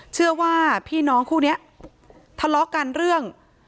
เชื่อว่าพี่น้องคู่นี้ทะเลาะกันเรื่อง